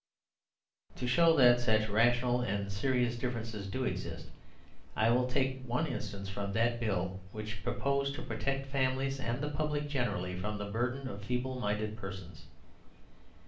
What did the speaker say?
To show that such rational and serious differences do exist, I will take one instance from that Bill which proposed to protect families and the public generally from the burden of feeble minded persons.